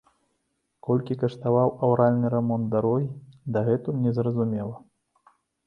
Колькі каштаваў аўральны рамонт дарогі, дагэтуль незразумела.